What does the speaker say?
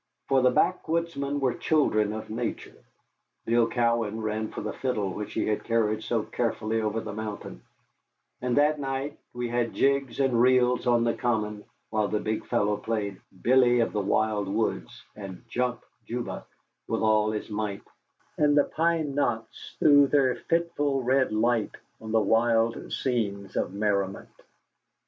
For the backwoodsmen were children of nature. Bill Cowan ran for the fiddle which he had carried so carefully over the mountain, and that night we had jigs and reels on the common while the big fellow played "Billy of the Wild Woods" and "Jump Juba," with all his might, and the pine knots threw their fitful, red light on the wild scenes of merriment.